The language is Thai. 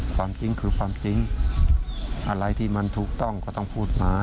ความจริงคือความจริงอะไรที่มันถูกต้องก็ต้องพูดมา